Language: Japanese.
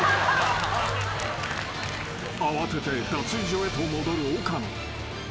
［慌てて脱衣所へと戻る岡野］